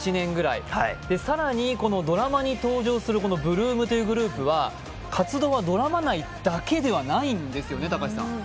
更にこのドラマに登場する８ＬＯＯＭというグループは活動はドラマ内だけではないんですよね。